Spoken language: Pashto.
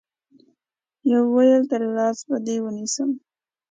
يوه ويل تر لاس به دي ونيسم